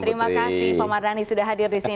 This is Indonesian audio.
terima kasih pak mardhani sudah hadir di sini